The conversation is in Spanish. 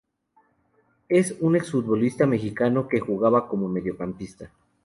Es un exfutbolista mexicano, que jugaba como mediocampista.